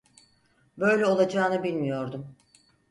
Böyle olacağını bilmiyordum.